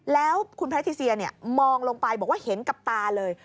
แล้วคุณแพทิเซียมองลงไปบอกว่าเห็นกับตาเลย